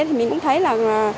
thì mình cũng thấy là